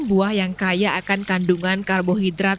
buah yang kaya akan kandungan karbohidrat